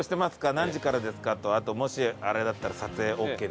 「何時からですか？」とあともしあれだったら「撮影オーケーですか？」。